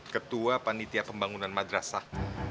ketua panitia pembangunan madrasah